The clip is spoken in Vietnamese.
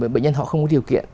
bệnh nhân họ không có điều kiện